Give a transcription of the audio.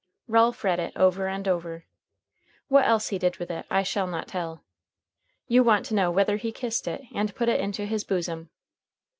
Ralph read it over and over. What else he did with it I shall not tell. You want to know whether he kissed it, and put it into his bosom.